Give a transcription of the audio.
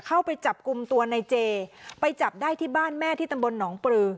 เข้าไปจับกลุ่มตัวในเจไปจับได้ที่บ้านแม่ที่ตำบลหนองปลือ